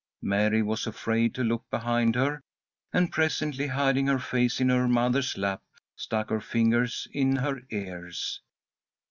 Mary was afraid to look behind her, and presently, hiding her face in her mother's lap, stuck her fingers in her ears.